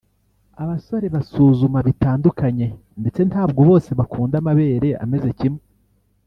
Abasore basuzuma bitandukanye ndetse ntabwo bose bakunda amabere ameze kimwe